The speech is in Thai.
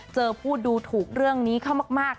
เจอผู้ดูถูกเรื่องนี้เข้ามาก